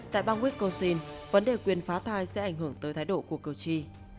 tại bang wisconsin vấn đề quyền phá thai sẽ ảnh hưởng tới thái độ của cử tri